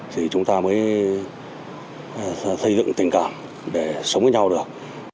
thì chúng ta mới xây dựng tình cảm để sống với nhau được